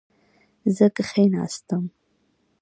زه کښېناستم